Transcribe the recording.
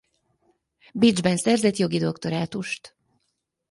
Bécsben szerzett jogi doktorátust.